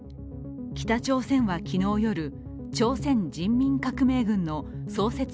北朝鮮は昨日夜朝鮮人民革命軍の創設